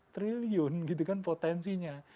satu sembilan ratus triliun gitu kan potensinya